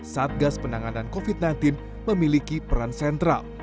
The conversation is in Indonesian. satgas penanganan covid sembilan belas memiliki peran sentral